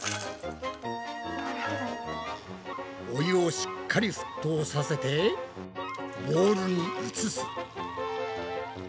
お湯をしっかり沸騰させてボウルに移す。